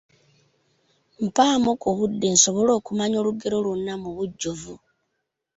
Mpaamu ku budde nsobole okumanya olugero lwonna mu bujjuvu.